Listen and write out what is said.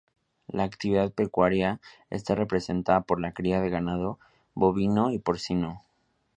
La actividad pecuaria está representada por la cría de ganado bovino y porcino.